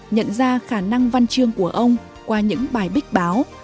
nhận ra khả năng văn chương của ông qua những bài bích báo